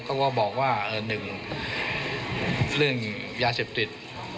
ก็บอกว่า๑เรื่องยาเสพติด